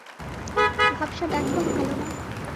ভাবসাব একদম ভালো না।